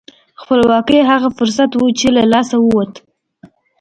خپلواکي هغه فرصت و چې له لاسه ووت.